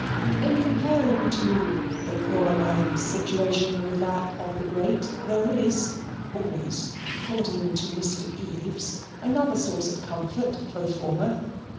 In comparing, too, the poor man's situation with that of the great, there is (always according to Mr. Eaves) another source of comfort for the former.